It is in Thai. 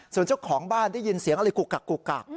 ส่วนเจ้าของบ้านได้ยินเสียงอะไรกุกกักกุกกัก